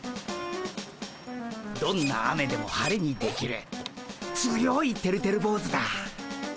どんな雨でも晴れにできる強いてるてる坊主だ。